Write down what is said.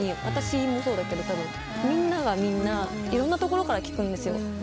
私もそうだけどみんながみんないろんなところから聞くんです。